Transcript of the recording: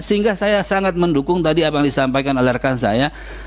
sehingga saya sangat mendukung tadi yang disampaikan alergan saya